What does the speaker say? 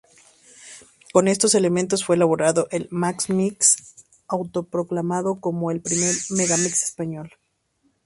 Con estos elementos fue elaborado el "Max Mix", autoproclamado como ""El primer megamix español"".